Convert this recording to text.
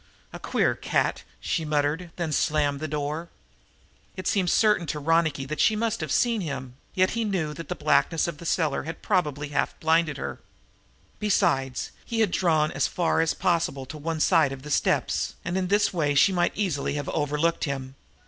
"A queer cat!" she muttered, then slammed the door. It seemed certain to Ronicky that she must have seen him, yet he knew that the blackness of the cellar had probably half blinded her. Besides, he had drawn as far as possible to one side of the steps, and in this way she might easily have overlooked him.